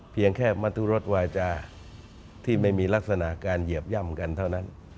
เพียงแค่มัธุรสวาจาที่ไม่มีลักษณะการเหยียบย่ำกันเท่านั้น